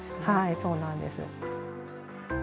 はいそうなんです。